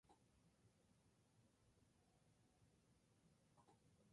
¿vosotras no habríais partido?